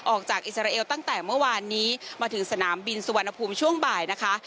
อิสราเอลตั้งแต่เมื่อวานนี้มาถึงสนามบินสุวรรณภูมิช่วงบ่ายนะคะ